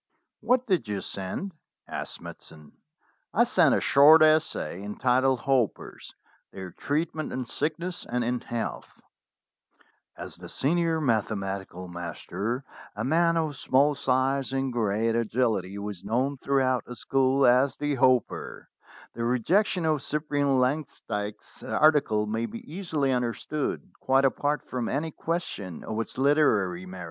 "What did you send ?" asked Smithson. "I sent a short essay entitled 'Hoppers ; their treat ment in sickness and in health/ ' As the senior mathematical master, a man of small size and great agility, was known throughout the school as "The Hopper," the rejection of Cyprian Langsdyke's article may be easily understood, quite apart from any question of its literary merits.